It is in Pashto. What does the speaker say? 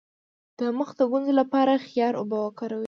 د مخ د ګونځو لپاره د خیار اوبه وکاروئ